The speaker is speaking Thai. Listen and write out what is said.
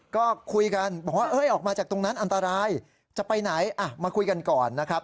ก็คุยกันบอกว่าออกมาจากตรงนั้นอันตรายจะไปไหนมาคุยกันก่อนนะครับ